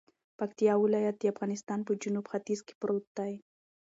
پکتيا ولايت د افغانستان په جنوت ختیځ کی پروت ده